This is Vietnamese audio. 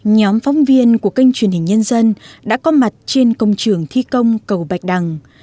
nhóm phóng viên của kênh truyền hình nhân dân đã có mặt trên công trường thi công cầu bạch đằng